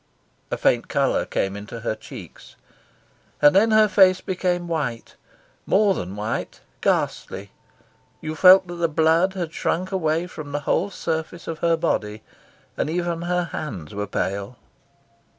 A faint colour came into her cheeks, and then her face became white more than white, ghastly; you felt that the blood had shrunk away from the whole surface of her body; and even her hands were pale.